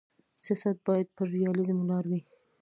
سیاست باید پر ریالیزم ولاړ وي.